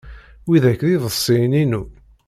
Widak d iḍebsiyen-inu.